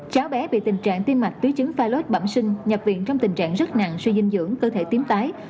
cháu bé bị tình trạng tiêm mạch tí chứng phai lốt bẩm sinh nhập viện trong tình trạng rất nặng suy dinh dưỡng cơ thể tiêm tái